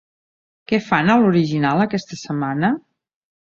Què fan a l'Horiginal, aquesta setmana?